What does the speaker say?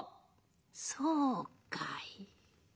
「そうかい」。